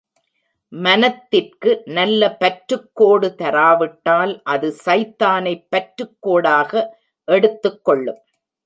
மனத்திற்கு நல்ல பற்றுக் கோடு தராவிட்டால் அது சைத்தானைப் பற்றுக்கோடாக எடுத்துக் கொள்ளும்.